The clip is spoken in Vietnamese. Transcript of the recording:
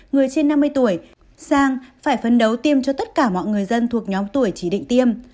người trên năm mươi tuổi sang phải phấn đấu tiêm cho tất cả mọi người dân thuộc nhóm tuổi chỉ định tiêm